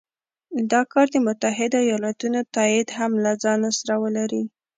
دا کار د متحدو ایالتونو تایید هم له ځانه سره ولري.